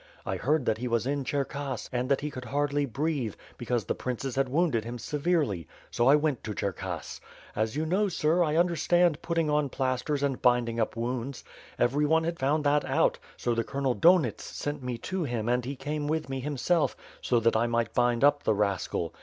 I heard that he was in Chcrkass, and that he could hardly breathe, because the princes had wounded him severely; so I went to Cherkass. As you know, sir, I un derstand putting on plasters and binding up wounds. Every one had found that out, so the Colonel Donits sent me to him and he came with me himself, so that I might bind up the rascal.